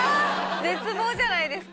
絶望じゃないですか。